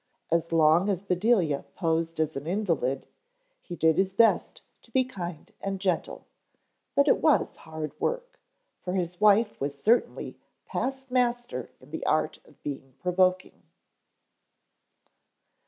As long as Bedelia posed as an invalid, he did his best to be kind and gentle, but it was hard work, for his wife was certainly past master in the art of being provoking.